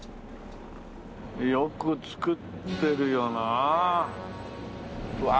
よく造ってるよなあ。